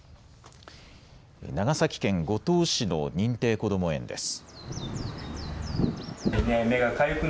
長崎県五島市の認定こども園です。